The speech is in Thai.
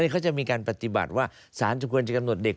เขาจะมีการปฏิบัติว่าสารจะควรจะกำหนดเด็ก